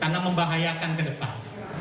karena membahayakan ke depan